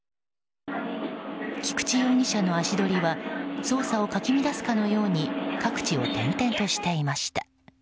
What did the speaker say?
菊池容疑者の足取りは捜査をかき乱すかのように各地を転々としていました。